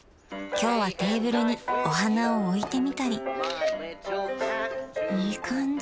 今日はテーブルにお花をおいてみたりいい感じ。